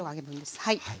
はい。